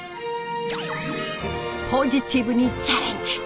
ポジティブにチャレンジ。